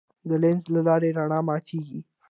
د لینز له لارې رڼا ماتېږي.